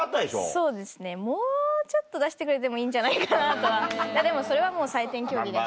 そうですねもうちょっと出してくれてもいいんじゃないかなとはでもそれはもう採点競技だし。